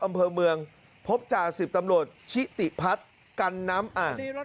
อำเภอเมืองพบจ่าสิบตำรวจชิติพัฒน์กันน้ำอ่าง